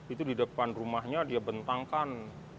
itu di depan rumahnya dia bentangkan